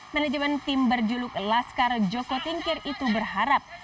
manajemen tim berjuluk laskar joko tingkir itu berharap